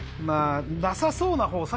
まあなさそうな方